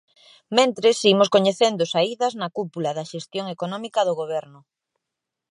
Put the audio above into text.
Mentres, imos coñecendo saídas na cúpula da xestión económica do Goberno.